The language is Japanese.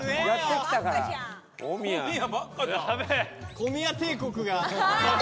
小宮帝国。